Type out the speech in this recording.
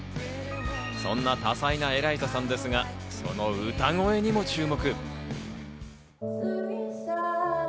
そんな多彩なＥＬＡＩＺＡさんですが、その歌声にも注目。